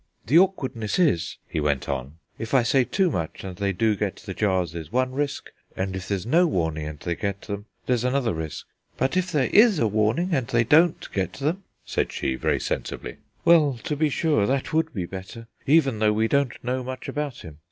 "The awkwardness is," he went on, "if I say too much and they do get the jars, there's one risk; and if there's no warning and they get them, there's another risk." "But if there is a warning and they don't get them," said she, very sensibly. "Well, to be sure, that would be better, even though we don't know much about him."